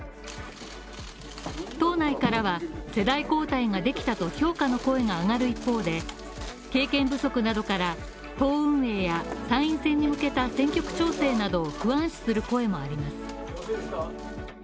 党内からは世代交代ができたと評価の声が上がる一方で、経験不足などから、党運営や参院選に向けた選挙区調整などを不安視する声もあります